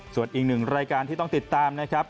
ส่วนอีกหนึ่งรายการที่ต้องติดตามนะครับ